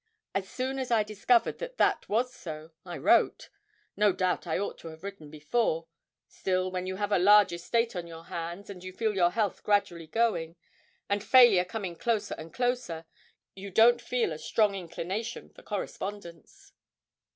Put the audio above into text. As soon as I discovered that that was so, I wrote. No doubt I ought to have written before; still, when you have a large estate on your hands, and you feel your health gradually going, and failure coming closer and closer, you don't feel a strong inclination for correspondence.'